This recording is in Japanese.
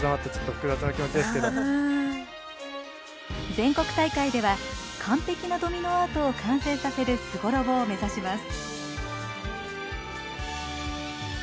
全国大会では完璧なドミノアートを完成させる「超絶機巧」を目指します。